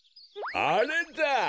あれだ！